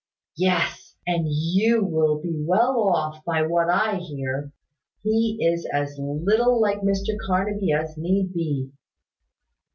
"Yes: and you will be well off, by what I hear. He is as little like Mr Carnaby as need be."